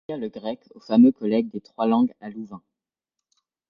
Il enseigna le grec au fameux Collège des Trois-Langues à Louvain.